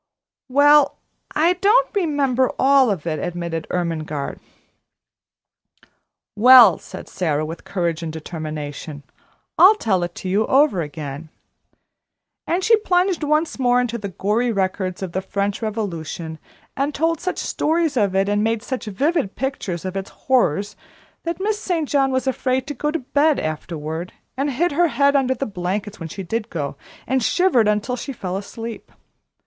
"Well, I don't remember all of it," admitted Ermengarde. "Well," said Sara, with courage and determination, "I'll tell it to you over again." And she plunged once more into the gory records of the French Revolution, and told such stories of it, and made such vivid pictures of its horrors, that Miss St. John was afraid to go to bed afterward, and hid her head under the blankets when she did go, and shivered until she fell asleep.